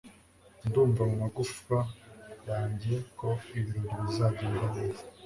ndumva mumagufwa yanjye ko ibirori bizagenda neza